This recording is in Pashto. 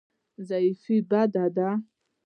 ضعف بد دی.